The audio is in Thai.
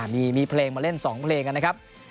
มีเพลงมาเล่น๒เพลงนะครับ